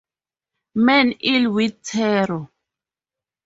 Men ill with terror!